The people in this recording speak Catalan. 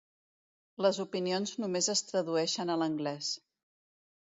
Les opinions només es tradueixen a l'anglès.